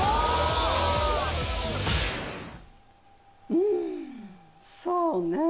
うんそうねぇ。